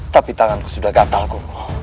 tapi tanganku sudah gatalku